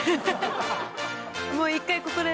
もう一回ここで。